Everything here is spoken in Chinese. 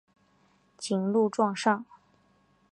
谨录状上。